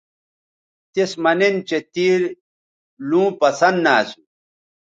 تِس مہ نن چہء تے لوں پسند نہ اسو